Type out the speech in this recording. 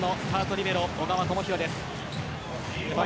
リベロ小川智大です。